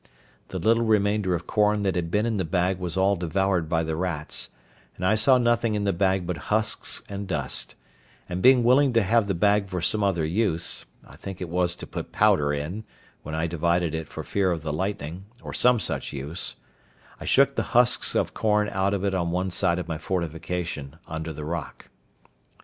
The little remainder of corn that had been in the bag was all devoured by the rats, and I saw nothing in the bag but husks and dust; and being willing to have the bag for some other use (I think it was to put powder in, when I divided it for fear of the lightning, or some such use), I shook the husks of corn out of it on one side of my fortification, under the rock.